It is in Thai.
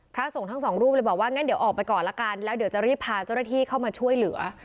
พระสงฆ์ทั้งสองรูปเลยบอกว่างั้นเดี๋ยวออกไปก่อนละกันแล้วเดี๋ยวจะรีบพาเจ้าหน้าที่เข้ามาช่วยเหลือ